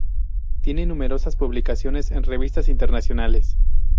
Tiene numerosas publicaciones en revistas internacionales.